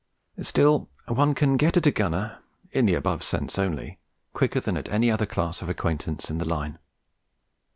Still, one can get at a gunner (in the above sense only) quicker than at any other class of acquaintance in the Line.